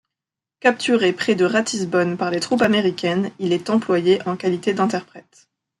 Capturé près de Ratisbonne par les troupes américaines, il est employé en qualité d’interprète.